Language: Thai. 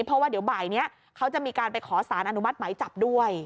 เพราะว่าเดี๋ยวบ่ายนี้เขาจะมีการไปขอสารอนุมัติหมายจับด้วย